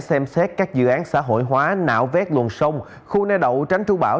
xem xét các dự án xã hội hóa nạo vét luồng sông khu ne đậu tránh trú bão